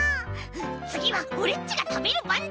つぎはオレっちがたべるばんだ！